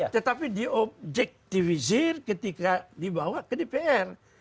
tetapi di objektivisir ketika dibawa ke dpr